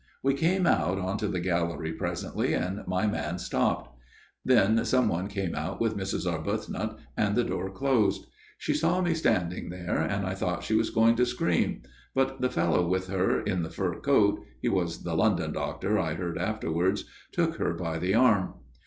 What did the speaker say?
" We came out onto the gallery presently, and my man stopped. " Then some one came out with Mrs. Arbuth not, and the door closed. She saw me standing there and I thought she was going to scream ; but the fellow with her in the fur coat he was the London doctor, I heard afterwards took her by the arm.